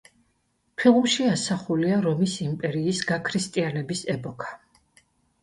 ფილმში ასახულია რომის იმპერიის გაქრისტიანების ეპოქა.